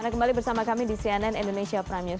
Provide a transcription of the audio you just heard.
kembali bersama kami di cnn indonesia pranus